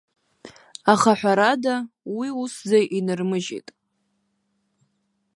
Аха, ҳәарада, уи усӡа инырмыжьит.